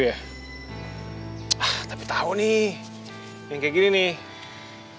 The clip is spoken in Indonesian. ya tapi tahu nih yang kayak gini nih